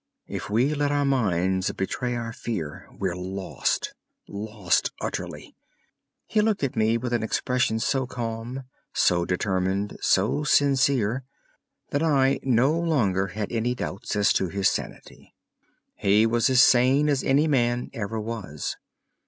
If we let our minds betray our fear, we're lost, lost utterly." He looked at me with an expression so calm, so determined, so sincere, that I no longer had any doubts as to his sanity. He was as sane as any man ever was.